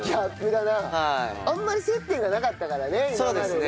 あんまり接点がなかったからね今までね。